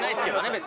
別に。